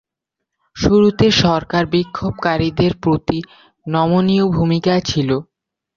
শুরুতে সরকার বিক্ষোভকারীদের প্রতি নমনীয় ভূমিকায় ছিল।